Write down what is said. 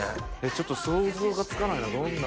ちょっと想像がつかないなどんな。